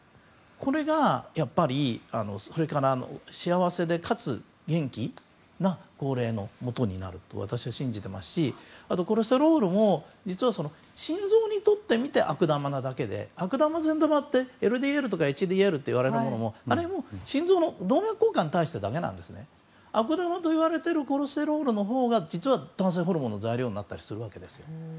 これが、これからの幸せでなおかつ元気な高齢のもとになると私は信じていますしコレステロールも実は心臓にとってみて悪玉なだけで悪玉や善玉とか、ＬＤＬとかＨＤＬといわれているのもあれも心臓の動脈硬化に対してだけなんですね。悪玉といわれてるコレステロールのほうが実は男性ホルモンの材料になったりするんです。